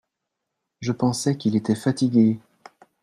Je pensais qu’il était fatigué